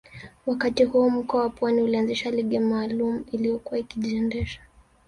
Wakati huo mkoa wa Pwani ulianzisha ligi maalumu iliyokuwa ikijiendesha